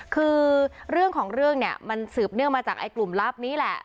คือเรื่องของเรื่องเนี่ยมันสืบเนื่องมาจากไอ้กลุ่มลับนี้แหละ